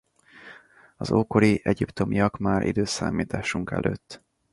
Az ókori egyiptomiak már i.e.